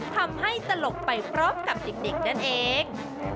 ตลกไปพร้อมกับเด็กนั่นเอง